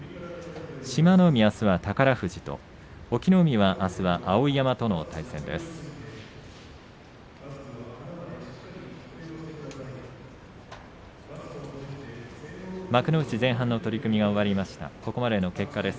志摩ノ海、あすは宝富士と隠岐の海、あすは碧山との対戦です。